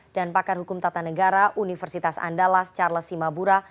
dan pakar hukum tata negara universitas andalas charles simabura